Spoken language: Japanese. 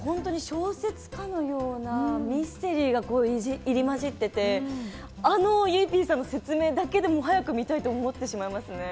小説かのようなミステリーが入り混じっていて、あの、ゆいＰさんの説明だけでも早く見たいと思ってしまいますね。